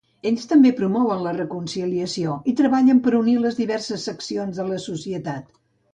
Ells també promouen la reconciliació i treballen per unir les diverses seccions de la societat.